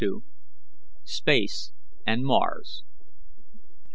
SPACE AND MARS.